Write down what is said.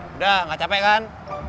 udah gak capek kan